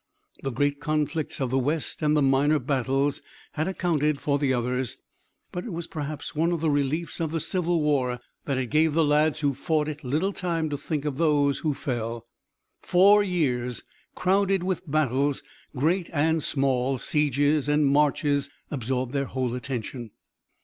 The great conflicts of the West, and the minor battles had accounted for the others. But it was perhaps one of the reliefs of the Civil War that it gave the lads who fought it little time to think of those who fell. Four years crowded with battles, great and small, sieges and marches absorbed their whole attention.